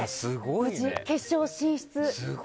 無事、決勝進出。